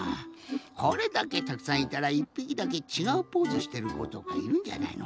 これだけたくさんいたら１ぴきだけちがうポーズしてることかいるんじゃないの？